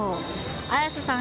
綾瀬さん